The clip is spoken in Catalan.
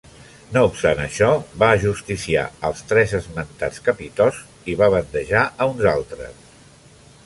No obstant això, va ajusticiar als tres esmentats capitosts i va bandejar a uns altres.